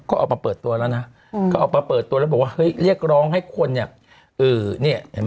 ก็ออกมาเปิดตัวแล้วนะก็ออกมาเปิดตัวแล้วบอกว่าเฮ้ยเรียกร้องให้คนเนี่ยเห็นไหม